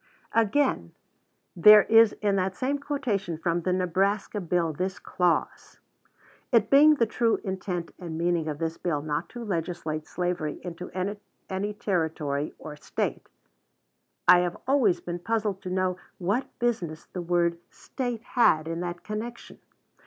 Again, there is in that same quotation from the Nebraska bill this clause: "It being the true intent and meaning of this bill not to legislate slavery into any Territory or State." I have always been puzzled to know what business the word "State" had in that connection.